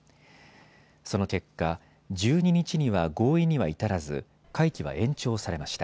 その結果、１２日には合意には至らず会期は延長されました。